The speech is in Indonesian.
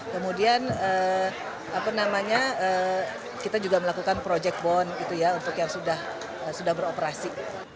kemudian kita juga melakukan project bond untuk yang sudah beroperasi